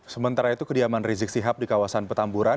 sementara itu kediaman rizik sihab di kawasan petamburan